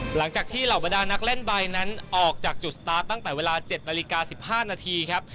หลังจากที่เหล่าบรรดานักเล่นใบนั้นออกจากจุดสตาร์ทตั้งแต่เวลา๗นาฬิกา๑๕นาทีครับ